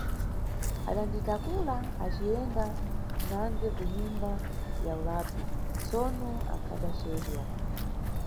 Adanditakula aciyenda nande ku nyumba ya ulapi, tsono akhadacedwa.